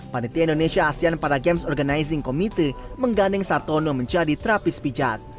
panitia indonesia asean para games organizing committee menggandeng sartono menjadi terapis pijat